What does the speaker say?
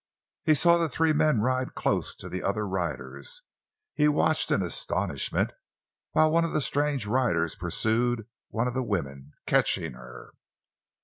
He saw the three men ride close to the other riders; he watched in astonishment while one of the strange riders pursued one of the women, catching her.